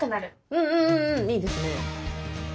うんうんうんうんいいですね。